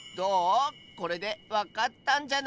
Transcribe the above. これでわかったんじゃない？